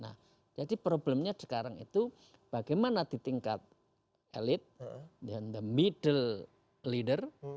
nah jadi problemnya sekarang itu bagaimana di tingkat elit dan the middle leader